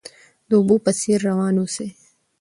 د اوبو په څیر روان اوسئ.